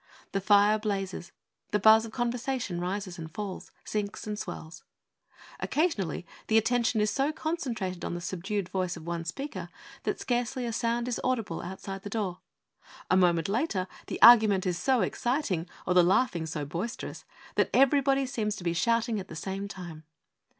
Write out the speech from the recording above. The fire blazes; the buzz of conversation rises and falls, sinks and swells. Occasionally the attention is so concentrated on the subdued voice of one speaker that scarcely a sound is audible outside the door; a moment later the argument is so exciting, or the laughing so boisterous, that everybody seems to be shouting at the same time.